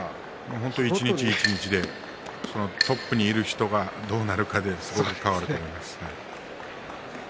本当に、一日一日でトップにいる人がどうなるかですごく変わると思います。